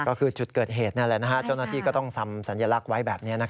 ก็คือจุดเกิดเหตุนั่นแหละจ้อนาธิก็ต้องซำสัญลักษณ์ไว้แบบนี้